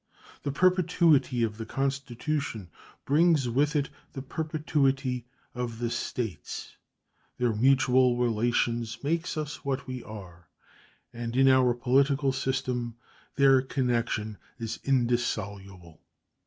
The perpetuity of the Constitution brings with it the perpetuity of the States; their mutual relation makes us what we are, and in our political system their connection is indissoluble.